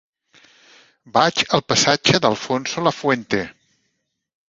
Vaig al passatge d'Alfonso Lafuente.